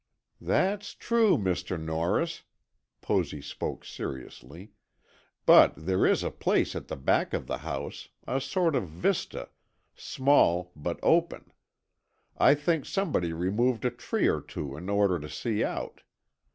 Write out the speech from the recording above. "That's true, Mr. Norris," Posy spoke seriously, "but there is a place at the back of the house, a sort of vista, small, but open. I think somebody removed a tree or two in order to see out.